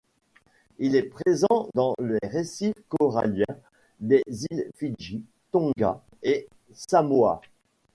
Il est présent dans les récifs coralliens des îles Fidji, Tonga et Samoa.